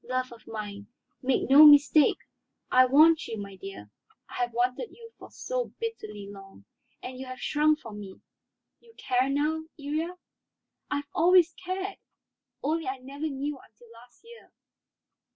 "Love of mine, make no mistake. I want you; my dear, I have wanted you so bitterly long, and you have shrunk from me. You care now, Iría?" "I have always cared, only I never knew until last year.